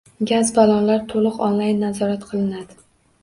Gaz ballonlar to‘liq onlayn nazorat qilinadi